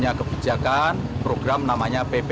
jika diterapkan bagaimana deh